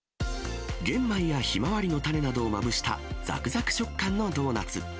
玄米やひまわりの種などをまぶしたざくざく食感のドーナツ。